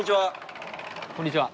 こんにちは。